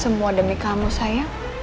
semua demi kamu sayang